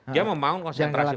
dia membangun konsentrasi politik